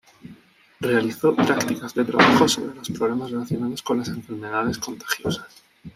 Realizó prácticas de trabajo sobre los problemas relacionados con las enfermedades contagiosas.